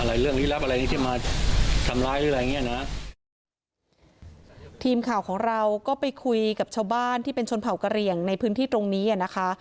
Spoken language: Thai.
เรื่องลี้ลับอะไรที่มาทำร้ายหรืออะไรอย่างเงี้ยนะทีมข่าวของเราก็ไปคุยกับชาวบ้านที่เป็นชนเผ่ากระเหลี่ยงในพื้นที่ตรงนี้อ่ะนะคะ